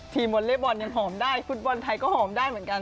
วอเล็กบอลยังหอมได้ฟุตบอลไทยก็หอมได้เหมือนกัน